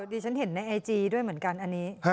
ดิฉันเห็นในไอจีด้วยเหมือนกันอันนี้